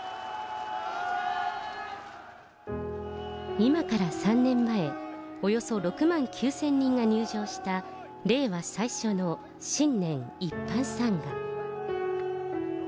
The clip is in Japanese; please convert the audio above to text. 今から３年前、およそ６万９０００人が入場した令和最初の新年一般参賀。